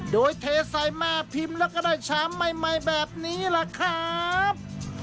โดยเทใส่แม่พิมพ์แล้วก็ได้ชามใหม่แบบนี้ล่ะครับ